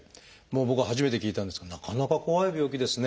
僕は初めて聞いたんですがなかなか怖い病気ですね。